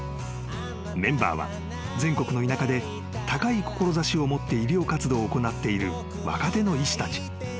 ［メンバーは全国の田舎で高い志を持って医療活動を行っている若手の医師たち］